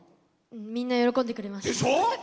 みんな喜んでくれました。